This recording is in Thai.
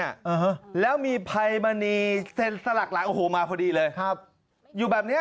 อ่าฮะแล้วมีภัยมณีเซ็นสลักหลังโอ้โหมาพอดีเลยครับอยู่แบบเนี้ย